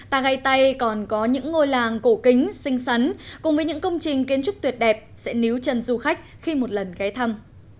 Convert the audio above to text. tagaytay còn có những ngôi làng cổ kính xinh xắn cùng với những công trình kiến trúc tuyệt đẹp sẽ níu chân du khách khi một lần ghé thăm